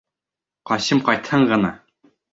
Ҡасим ҡайтһын ғына!